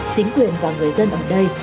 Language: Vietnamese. chính quyền và người dân ở đây